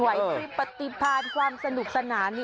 ไว้พริบปฏิบันความสนุกสนาน